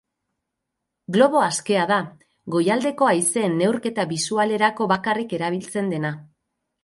Globo askea da, goialdeko haizeen neurketa bisualerako bakarrik erabiltzen dena.